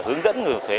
hướng dẫn người nộp thuế